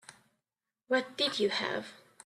What did you have?